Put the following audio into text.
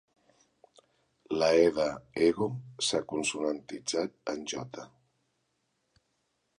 La 'e' de 'ego' s'ha consonantitzat en 'j'.